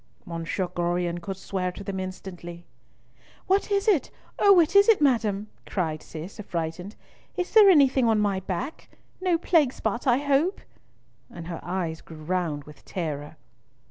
"Monsieur Gorion could swear to them instantly." "What is it? Oh, what is it, madam?" cried Cis, affrighted; "is there anything on my back? No plague spot, I hope;" and her eyes grew round with terror.